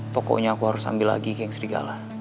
pokoknya aku harus ambil lagi yang serigala